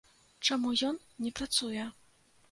Чаму ён не працуе?